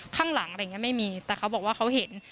ข้างหลังอะไรอย่างนี้ไม่มีแต่เขาบอกว่าเขาเห็น